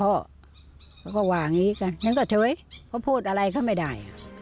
เขาก็ว่าอย่างนี้กันนั้นก็เท้ยเพราะพูดอะไรก็ไม่ได้